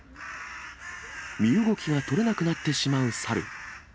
身動きが取れなくなってしまう猿。